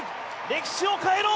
歴史を変えろ！